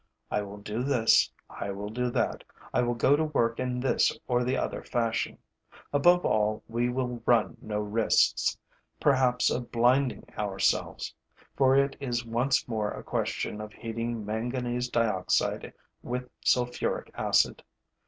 I will do this, I will do that, I will go to work in this or the other fashion. Above all, we will run no risks, perhaps of blinding ourselves; for it is once more a question of heating manganese dioxide with sulfuric acid.